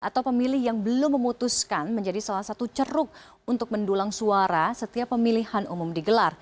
atau pemilih yang belum memutuskan menjadi salah satu ceruk untuk mendulang suara setiap pemilihan umum digelar